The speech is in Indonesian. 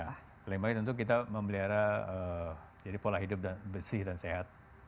ya paling baik tentu kita memelihara jadi pola hidup bersih dan sehat